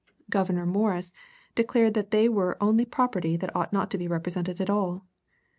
Gouverneur Morris declared that as they were only property they ought not to be represented at all.